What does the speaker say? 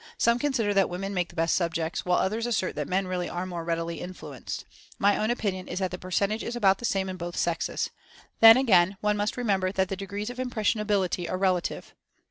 Some consider that women make the best subjects, while others assert that men really are more readily in fluenced. My own opinion is that the percentage is about the same in both sexes. Then, again, one must remember that the degrees of "impressionability" are relative.